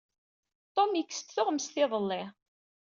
Tum yekkes-d tuɣmest iḍelli.